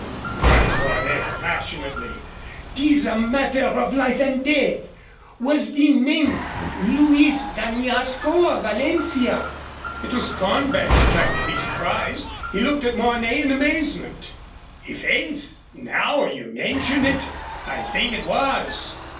cried Mornay, passionately. "'Tis a matter of life and death. Was the name Luis d'Añasco, of Valencia?" It was Cornbury's turn to be surprised. He looked at Mornay in amazement. "I' faith, now you mention it, I think it was.